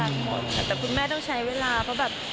คุณแม่ก็รักหมดแต่คุณแม่ต้องใช้เวลาเพราะแบบ